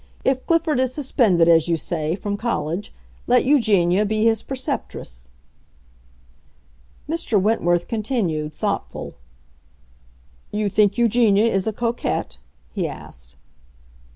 If Clifford is suspended, as you say, from college, let Eugenia be his preceptress." Mr. Wentworth continued thoughtful. "You think Eugenia is a coquette?" he asked.